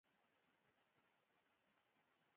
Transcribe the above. په تګ کې هوسۍ، همداسې هوا کوي، زمري یې هم نشي ښکار کولی.